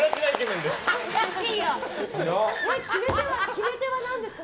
決め手は何ですか？